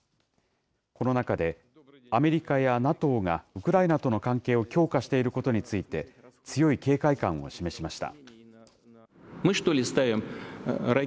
この中で、アメリカやＮＡＴＯが、ウクライナとの関係を強化していることについて、強い警戒感を示しました。